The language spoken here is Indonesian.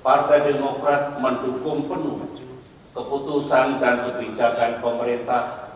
partai demokrat mendukung penuh keputusan dan kebijakan pemerintah